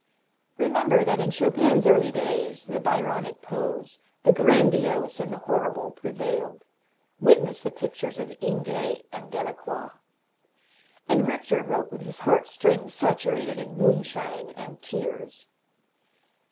Remember that in Chopin's early days the Byronic pose, the grandiose and the horrible prevailed witness the pictures of Ingres and Delacroix and Richter wrote with his heart strings saturated in moonshine and tears.